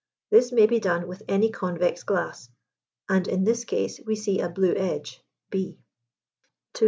This may be done with any convex glass, and in this case we see a blue edge (B). 200.